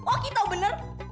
oh kita bener